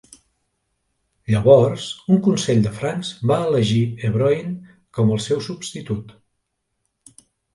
Llavors, un consell de Francs va elegir Ebroin com al seu substitut.